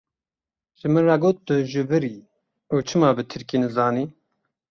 Ji min re got tu ji vir î û çima bi tirkî nizanî.